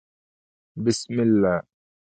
بسم الله